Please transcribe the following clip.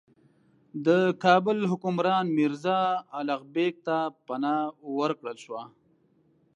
د کابل حکمران میرزا الغ بېګ ته پناه ورکړل شوه.